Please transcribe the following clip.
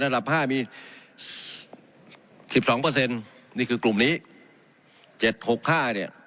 ระดับห้ามีสิบสองเปอร์เซ็นต์นี่คือกลุ่มนี้เจ็ดหกห้าเนี่ย